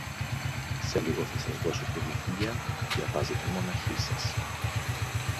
Σε λίγο θα σας δώσω και βιβλία να διαβάζετε μοναχοί σας.